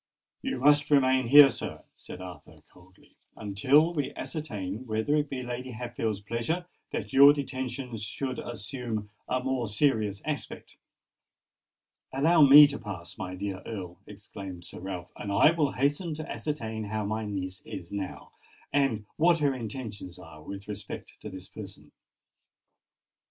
"You must remain here, sir," said Arthur coldly, "until we ascertain whether it be Lady Hatfield's pleasure that your detention should assume a more serious aspect." "Allow me to pass, my dear Earl," exclaimed Sir Ralph; "and I will hasten to ascertain how my niece is now, and what her intentions are with respect to this person."